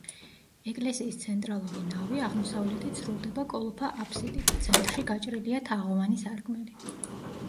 ეკლესიის ცენტრალური ნავი აღმოსავლეთით სრულდება კოლოფა აბსიდით, ცენტრში გაჭრილია თაღოვანი სარკმელი.